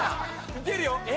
いけるよ！